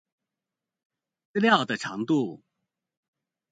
資料的長度